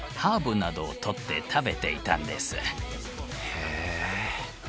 へえ。